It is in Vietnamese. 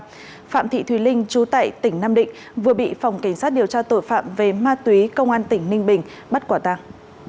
phạm thị thùy linh chú tại tỉnh nam định vừa bị phòng cảnh sát điều tra tội phạm về ma túy công an tỉnh ninh bình bắt quả tàng